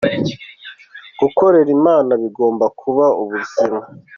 Gukorera Imana bigomba kuba ubuzima